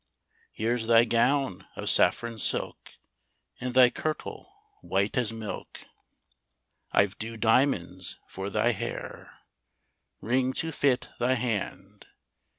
Here's thy gown of saffron silk, And thy kirtle white as milk ! 27 28 INVITATION I've dew diamonds for thy hair, Ring to fit thy hand.